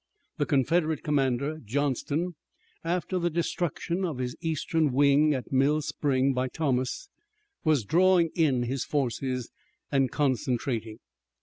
The Confederate commander, Johnston, after the destruction of his eastern wing at Mill Spring by Thomas, was drawing in his forces and concentrating.